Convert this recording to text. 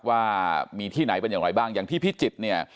ว่ามีที่ไหนเป็นอย่างไรบ้างอย่างที่พิจิตรเนี่ย